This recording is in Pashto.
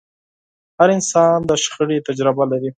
هر انسان د شخړې تجربه لري.